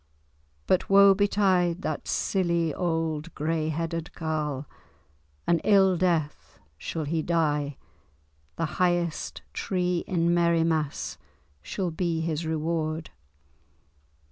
But woe betide that silly old grey headed carle! An ill death shall he die! The highest tree in Merriemass shall be his reward."